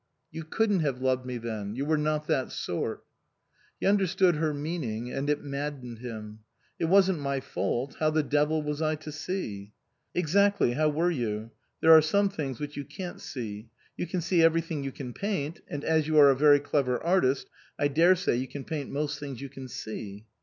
" You couldn't have loved me then. You were not that sort." He understood her meaning and it maddened him. " It wasn't my fault. How the devil was I to see ?"" Exactly, how were you ? There are some things which you can't see. You can see every thing you can paint, and as you are a very clever artist, I daresay you can paint most things you can see."